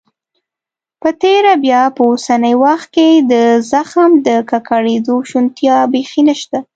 په تیره بیا په اوسني وخت کې د زخم د ککړېدو شونتیا بيخي نشته.